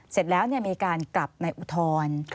เสร็จแล้วมีการกลับในอุทธรณ์